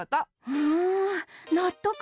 うんなっとく！